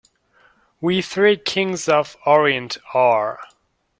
We three Kings of Orient are.